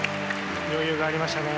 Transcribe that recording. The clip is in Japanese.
余裕がありましたね。